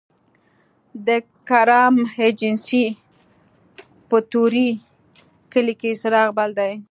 د کرم ایجنسۍ په طوري کلي کې څراغ بل دی